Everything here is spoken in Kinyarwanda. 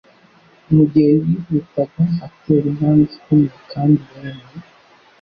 Mu gihe yihutaga atera intambwe ikomeye kandi yemye,